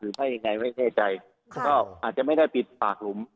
ไงไว้เฮ่ยใจก็อาจจะไม่ได้ปิดปากหลุม